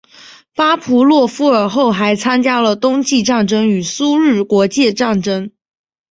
巴甫洛夫尔后还参与了冬季战争与苏日国界战争。